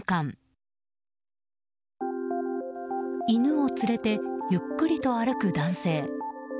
犬を連れてゆっくりと歩く男性。